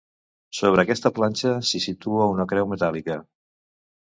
Sobre aquesta planxa s'hi situa una creu metàl·lica.